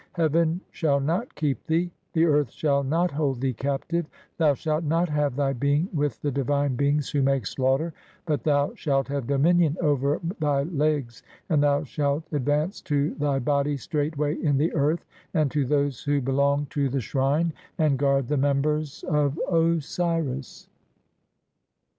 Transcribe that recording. Heaven shall [not] keep thee, the "earth shall [not] hold thee captive, thou shalt not have thy "being with the divine beings who make slaughter, (i3) but "thou shalt have dominion over thy legs, and thou shalt ad vance to thy body straightway in the earth [and to] those who "belong to the shrine and guard the members of Osiris."